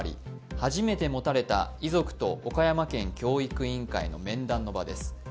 初めて持たれた遺族と岡山県教育委員会の面談の場です。